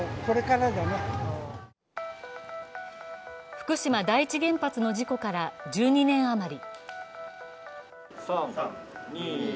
福島第一原発の事故から１２年余り。